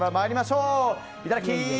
いただき！